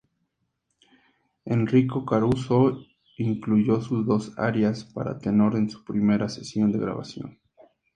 Enrico Caruso incluyó sus dos arias para tenor en su primera sesión de grabación.